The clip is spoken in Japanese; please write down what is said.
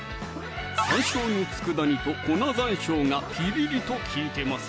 山椒の佃煮と粉山椒がピリリと利いてます